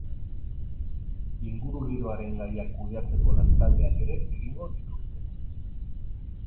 Ingurugiroaren gaiak kudeatzeko lan taldeak ere egingo dituzte.